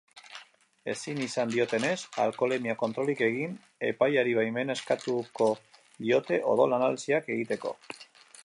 Ezin izan diotenez alkoholemia-kontrolik egin, epaileari baimena eskatuko diote odol-analisiak egiteko.